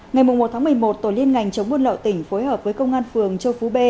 ngày một một mươi một tổ liên ngành chống buôn lậu tỉnh phối hợp với công an phường châu phú b